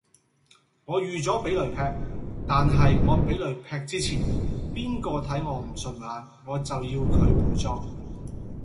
我預咗俾雷劈，但係我俾雷劈之前，邊個睇我唔順眼，我就要佢陪葬。